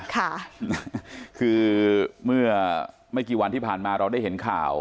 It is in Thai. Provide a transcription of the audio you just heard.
ค่ะนะคือเมื่อไม่กี่วันที่ผ่านมาเราได้เห็นข่าว